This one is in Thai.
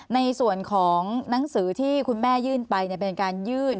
ในส่วนของหนังสือที่คุณแม่ยื่นไปเป็นการยื่น